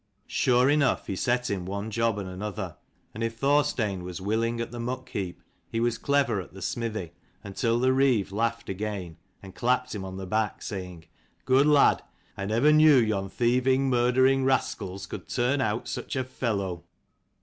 Sure enough he set him one job and another: and if Thorstein was willing at the muck heap, he was clever at the stithy: until the Reeve laughed again, and clapped him on the back saying, " Good lad. I never knew yon thieving, murdering rascals could turn out such a fellow!"